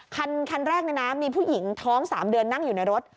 คันแรกมีผู้หญิงท้อง๓เดือนนั่งอยู่ในรถ